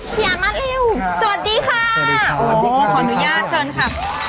พี่ยานมาเร็วสวัสดีค่ะขออนุญาตเชิญค่ะพี่ยานมาเร็วสวัสดีค่ะขออนุญาตเชิญค่ะ